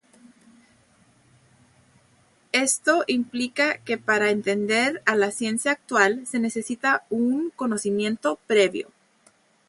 Esto implica que para entender a la ciencia actual se necesita un conocimiento previo.